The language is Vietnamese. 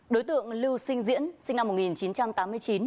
đối tượng lưu sinh diễn sinh năm một nghìn chín trăm tám mươi chín